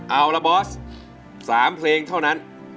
เอาละบอส๓เพลงเท่านั้น